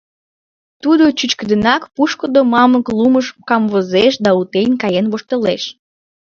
Тудо чӱчкыдынак пушкыдо мамык лумыш камвозеш да утен каен воштылеш.